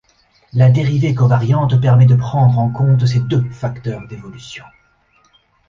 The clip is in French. La dérivée covariante permet de prendre en compte ces deux facteurs d'évolution.